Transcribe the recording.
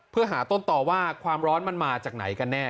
เพื่อหาต้นต่อว่าความร้อนมันมาจากไหนกันแน่